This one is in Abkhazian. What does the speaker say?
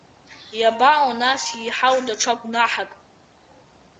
Иабаҟоу, нас, еиҳау даҽа гәнаҳак…